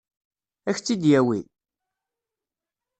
Ad k-tt-id-yawi?